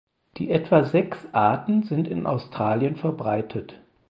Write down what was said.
Die etwa sechs Arten sind in Australien verbreitet.